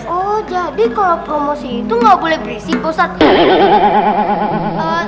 oh jadi kalau promosi itu nggak boleh berisi ustadz